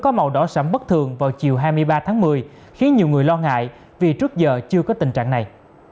có màu đỏ sầm bất thường vào chiều hai mươi ba tháng một mươi khiến nhiều người lo ngại vì trước giờ chưa có tình trạng này